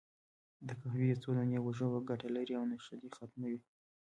د قهوې یو څو دانې وژووه، ګټه لري، او نشه دې ختمه وي.